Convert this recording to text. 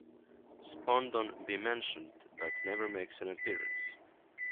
Spondon be mentioned but never makes an appearance!